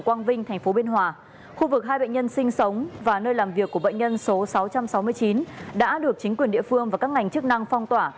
quang vinh thành phố biên hòa khu vực hai bệnh nhân sinh sống và nơi làm việc của bệnh nhân số sáu trăm sáu mươi chín đã được chính quyền địa phương và các ngành chức năng phong tỏa